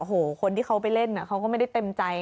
โอ้โหคนที่เขาไปเล่นเขาก็ไม่ได้เต็มใจ